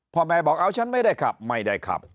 พ่อแม่บอกเอาฉันไม่ได้ขับไม่ได้ขับ